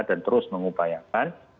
dan terus mengupayakan